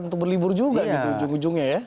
untuk berlibur juga gitu ujung ujungnya ya